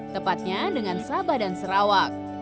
tepatnya dengan sabah dan sarawak